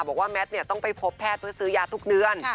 แมทต้องไปพบแพทย์เพื่อซื้อยาทุกเดือน